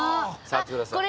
触ってください。